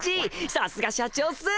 さすが社長っす！